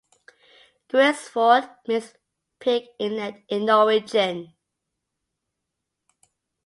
Grise Fiord means "pig inlet" in Norwegian.